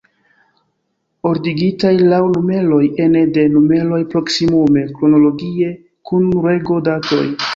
Ordigitaj laŭ numeroj; ene de numeroj proksimume kronologie; kun rego-datoj.